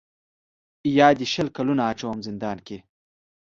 یا دي شل کلونه اچوم زندان ته